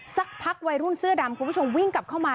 สักพักวัยรุ่นเสื้อดำคุณผู้ชมวิ่งกลับเข้ามา